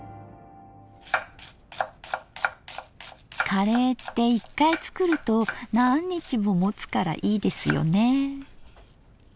カレーって１回作ると何日ももつからいいですよね。